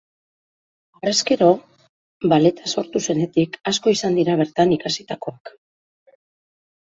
Harrezkero, balleta sortu zenetik, asko izan dira bertan ikasitakoak.